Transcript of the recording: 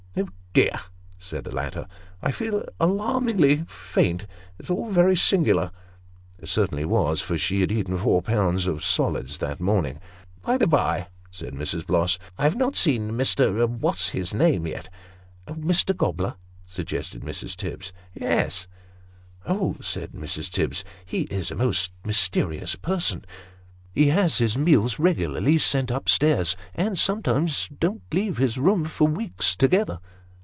" Oh dear !" said the latter, " I feel alarmingly faint ; it's very singular." (It certainly was, for she had eaten four pounds of solids that morning.) " By the bye," said Mrs. Bloss, " I have not seen Mr. What's his name yet." " Mr. Gobler ?" suggested Mrs. Tibbs. "Yes." " Oh !" said Mrs. Tibbs, " he is a most mysterious person. He has his meals regularly sent up stairs, and sometimes don't leave his room for weeks together."